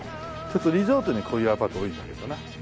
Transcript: リゾートにこういうアパート多いんだけどな。